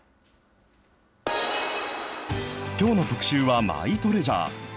きょうの特集はマイトレジャー。